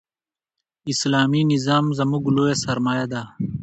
اسلامي نظام زموږ لویه سرمایه ده.